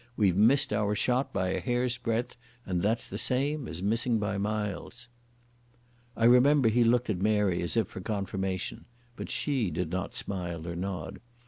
We've missed our shot by a hairsbreadth and that's the same as missing by miles." I remember he looked at Mary as if for confirmation, but she did not smile or nod.